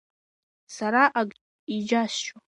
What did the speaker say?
Сара ак иџьасшьо…